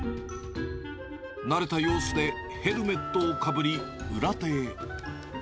慣れた様子でヘルメットをかぶり、裏手へ。